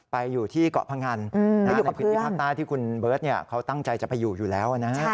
ไปอยู่ที่เกาะพังอัณเขาตั้งใจจะไปอยู่อยู่แล้ว